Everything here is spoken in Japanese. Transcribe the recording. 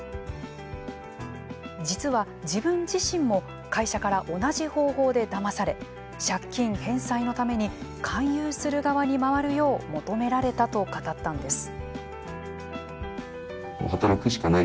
実は、自分自身も会社から同じ方法でだまされ借金返済のために勧誘する側に回るよう求められたと語ったのです。